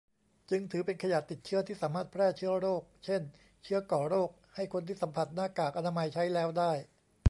จึงถือเป็นขยะติดเชื้อที่สามารถแพร่เชื้อโรค เช่น เชื้อก่อโรค ให้คนที่สัมผัสหน้ากากอนามัยใช้แล้วได้